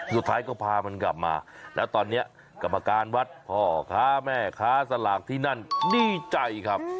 สุดท้ายก็พามันกลับมาแล้วตอนนี้กรรมการวัดพ่อค้าแม่ค้าสลากที่นั่นดีใจครับ